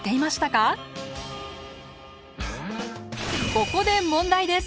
ここで問題です。